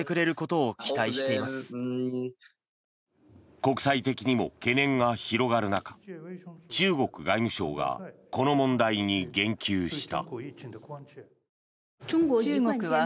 国際的にも懸念が広がる中中国外務省がこの問題に言及した。